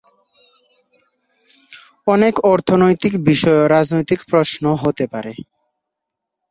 অনেক অর্থনৈতিক বিষয়ও রাজনৈতিক প্রশ্ন হতে পারে।